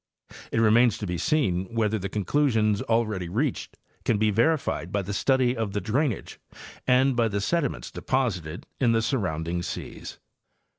It remains to be seen whether the conclusions already reached can be verified by the study of the drainage and by the sediments deposited in the surrounding seas.